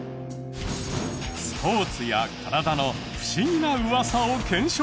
スポーツや体の不思議なウワサを検証。